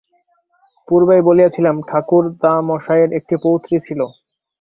পূর্বেই বলিয়াছিলাম, ঠাকুরদামশায়ের একটি পৌত্রী ছিল।